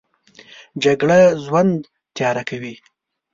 جګړه ژوند تیاره کوي